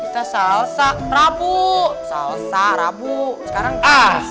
kita salsa rabu salsa rabu sekarang kes